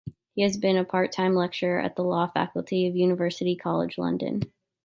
He has been a part-time lecturer at the Law Faculty of University College London.